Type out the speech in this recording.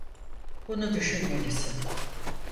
Bunu düşünmelisin.